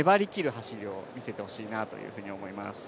走りを見せてほしいなと思います。